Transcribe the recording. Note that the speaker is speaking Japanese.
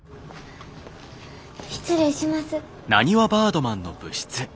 失礼します。